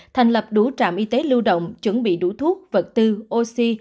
thành lập đủ trạm y tế lưu động chuẩn bị đủ thuốc vật tư oxy